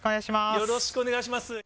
よろしくお願いします。